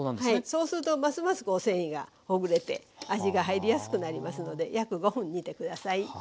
はいそうするとますます繊維がほぐれて味が入りやすくなりますので約５分煮てください。